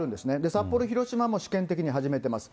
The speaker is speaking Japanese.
札幌、広島も試験的に始めてます。